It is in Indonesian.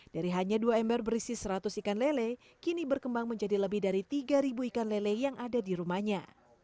dari hanya dua ember berisi seratus ikan lele kini berkembang menjadi lebih dari tiga ikan lele yang ada di rumahnya